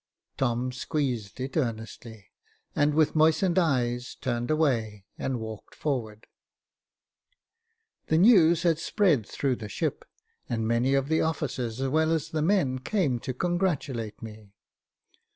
Tom squeezed it earnestly, and with moistened eyes, turned away, and walked forward. Jacob Faithful 371 The news had spread through the ship, and many of the officers, as well as the men, came to congratulate me.